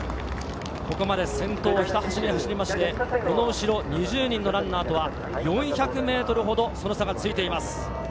ここまで先頭をひた走りに走りましてその後ろ２０人のランナーとは４００ｍほどその差がついています。